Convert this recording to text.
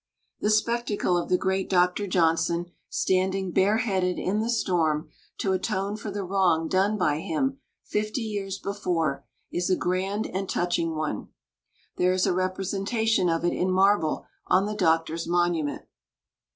The spectacle of the great Dr. Johnson standing bareheaded in the storm to atone for the wrong done by him fifty years before, is a grand and touching one. There is a representation of it in marble on the doctor's monument.